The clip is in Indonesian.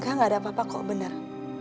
kak gak ada apa apa kok benar